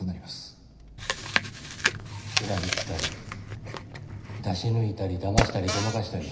裏切ったり出し抜いたりだましたりごまかしたり。